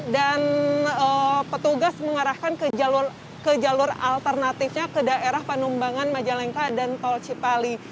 dan petugas mengarahkan ke jalur alternatifnya ke daerah panumbangan majalengka dan tol cipali